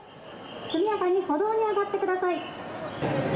速やかに歩道に上がってください。